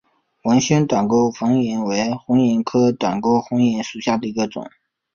纹胸短沟红萤为红萤科短沟红萤属下的一个种。